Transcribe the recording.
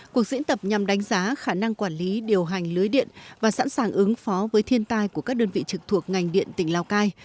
cuộc diễn tập nhằm đánh giá khả năng quản lý điều hành lưới điện và sẵn sàng ứng phó với thiên tai của các đơn vị trực thuộc ngành điện tỉnh lào cai